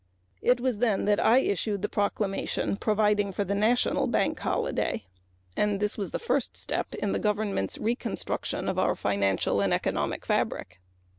It was then that I issued the proclamation providing for the nation wide bank holiday, and this was the first step in the government's reconstruction of our financial and economic fabric.